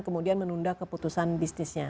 kemudian menunda keputusan bisnisnya